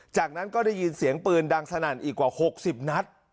จากนั้นก็ได้ยินเสียงปืนดังสนั่นอีกกว่า๖๐นัด